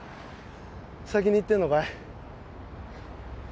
先に行ってんのかい？